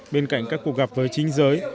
bên cạnh các cuộc gặp với chính giới